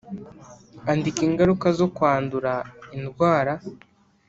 . Andika ingaruka zo kwandura indwara